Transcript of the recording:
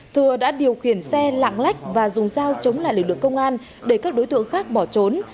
thừa đã điều khiển xe lạng lách và dùng dao chống lại lực lượng công an để các đối tượng khác bỏ trốn